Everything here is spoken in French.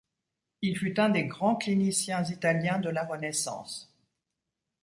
Il fut un des grands cliniciens italiens de la Renaissance.